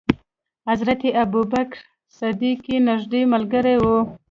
حضرت ابو بکر صدیق یې نېږدې ملګری و.